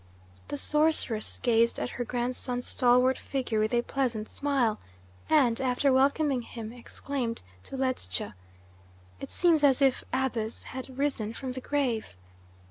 The sorceress gazed at her grandson's stalwart figure with a pleasant smile, and, after welcoming him, exclaimed to Ledscha: "It seems as if Abus had risen from the grave."